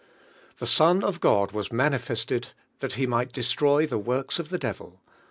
"The Son of God was manifested that He might destroy the works of the devil" (I.